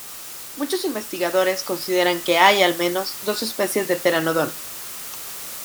Muchos investigadores consideran que hay al menos dos especies de "Pteranodon".